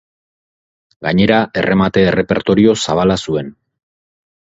Gainera, erremate errepertorio zabala zuen.